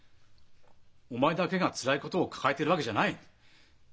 お前だけがつらいことを抱えてるわけじゃない！